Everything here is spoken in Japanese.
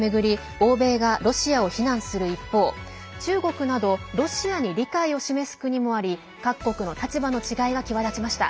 欧米がロシアを非難する一方中国などロシアに理解を示す国もあり各国の立場の違いが際立ちました。